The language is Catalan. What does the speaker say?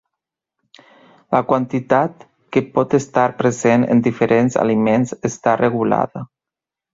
La quantitat que pot estar present en diferents aliments està regulada.